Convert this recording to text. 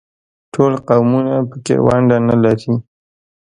ټول قومونه په کې ونډه نه لري.